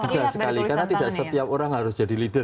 bisa sekali karena tidak setiap orang harus jadi leader